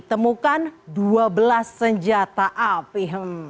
temukan dua belas senjata api